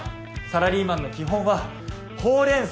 サラリーマンの基本はほう・れん